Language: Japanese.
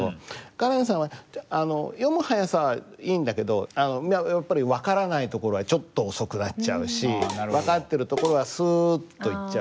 カレンさんは読むはやさはいいんだけどやっぱり分からないところはちょっとおそくなっちゃうし分かってるところはすっといっちゃうでしょ。